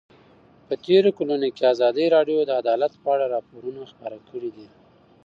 په تېرو کلونو کې ازادي راډیو د عدالت په اړه راپورونه خپاره کړي دي.